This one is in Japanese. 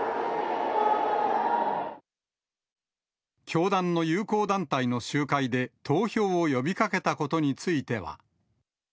教団の友好団体の集会で、投票を呼びかけたことについては。